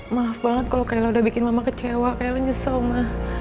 maaf banget kalau kailah udah bikin mama kecewa kailah nyesel ma